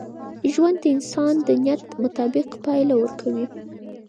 ژوند د انسان د نیت مطابق پایله ورکوي.